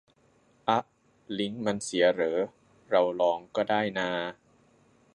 อ๊ะ ลิงก์มันเสียเหรอ เราลองก็ได้นา